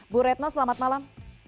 bu retno selamat malam